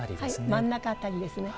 真ん中辺りですね。